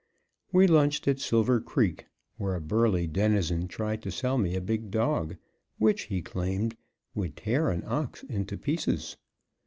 We lunched at Silver Creek, where a burly denizen tried to sell me a big dog, which, he claimed, would tear an ox into pieces.